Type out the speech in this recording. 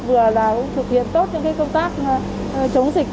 vừa là thực hiện tốt những công tác chống dịch